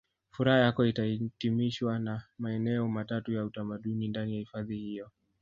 Furaha yako itahitimishwa na maeneo matatu ya utamaduni ndani ya hifadhi hiyo